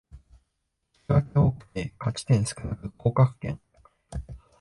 引き分け多くて勝ち点少なく降格圏